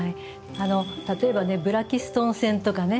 例えば「ブラキストン線」とかね